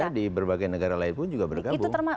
karena di berbagai negara lain pun juga bergabung